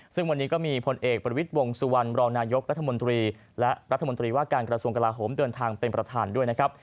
ซึ่งวันนี้ก็มีผลเอกประวิทย์วงสุวรรณรองนายกรัฐมนตรีและรัฐมนตรีว่าการกระทรวงกลาโหมเดินทางเป็นประธานด้วยนะครับ